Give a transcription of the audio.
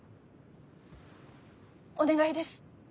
お願いです。